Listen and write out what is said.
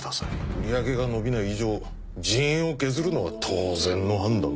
売り上げが伸びない以上人員を削るのは当然の判断かと